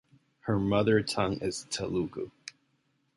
Her mother tongue is Telugu.